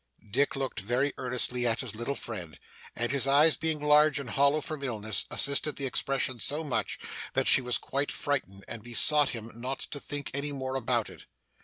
Dick looked very earnestly at his little friend: and his eyes, being large and hollow from illness, assisted the expression so much, that she was quite frightened, and besought him not to think any more about it.